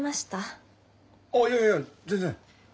ああいやいや全然！